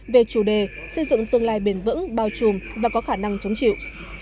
về chủ đề xây dựng tương lai bền vững bao trùm và có khả năng chống chịu